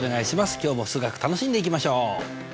今日も数学楽しんでいきましょう！